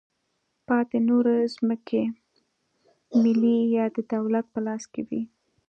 پاتې نورې ځمکې ملي یا د دولت په لاس کې وې.